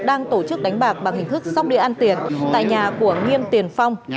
đang tổ chức đánh bạc bằng hình thức sóc đĩa ăn tiền tại nhà của nghiêm tiền phong